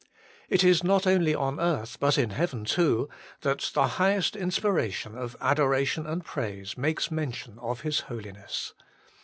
It is not only on earth, but in heaven too, that the highest inspiration of adoration and praise makes mention of His Holiness.